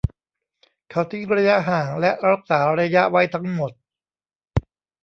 เขาทิ้งระยะห่างและรักษาระยะไว้ทั้งหมด